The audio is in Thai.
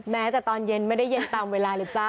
แม้แต่ตอนเย็นไม่ได้เย็นตามเวลาเลยจ้า